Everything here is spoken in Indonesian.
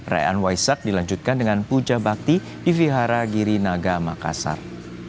rayaan waisak dilanjutkan dengan puja bakti di vihara giri naga makassar